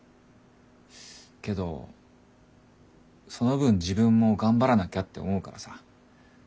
けどその分自分も頑張らなきゃって思うからさ。